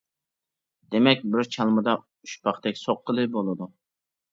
دېمەك، بىر چالمىدا ئۈچ پاختەك سوققىلى بولىدۇ.